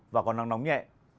và còn nắng nóng nhẹ